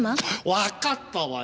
わかったわよ！